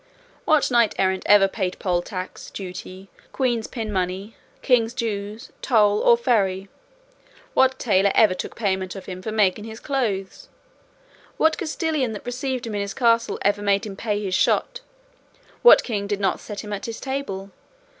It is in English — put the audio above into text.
What knight errant ever paid poll tax, duty, queen's pin money, king's dues, toll or ferry? What tailor ever took payment of him for making his clothes? What castellan that received him in his castle ever made him pay his shot? What king did not seat him at his table?